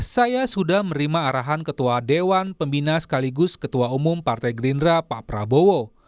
saya sudah menerima arahan ketua dewan pembina sekaligus ketua umum partai gerindra pak prabowo